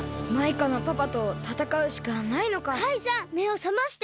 カイさんめをさまして！